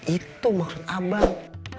itu maksud abang